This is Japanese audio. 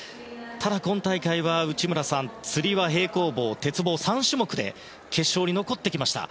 ただ今大会は、内村さんつり輪、平行棒、鉄棒の３種目で決勝に残ってきました。